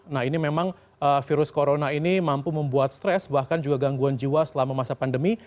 nah ini memang virus corona ini mampu membuat stres bahkan juga gangguan jiwa selama masa pandemi